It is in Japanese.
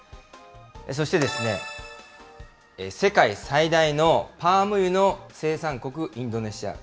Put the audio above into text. そして、世界最大のパーム油の生産国、インドネシア。